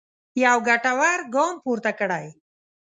یو ګټور ګام پورته کړی.